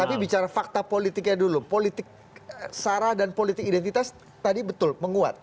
tapi bicara fakta politiknya dulu politik sara dan politik identitas tadi betul menguat